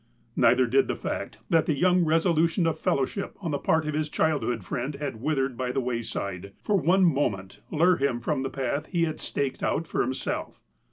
Neither did the fact, that the young resolution of fel lowship on the part of his childhood friend had withered by the wayside, for one moment lure him from the path he had staked out for himself.